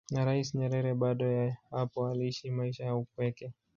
na Rais Nyerere baada ya hapo aliishi maisha ya upweke